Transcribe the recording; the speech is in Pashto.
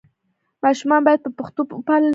ماشومان باید په پښتو وپالل سي.